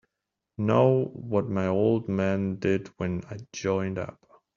Know what my old man did when I joined up?